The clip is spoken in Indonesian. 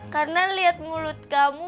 karena liat mulut kamu